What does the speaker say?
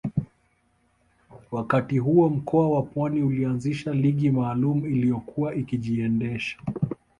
Wakati huo mkoa wa Pwani ulianzisha ligi maalumu iliyokuwa ikijiendesha